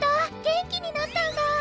元気になったんだ！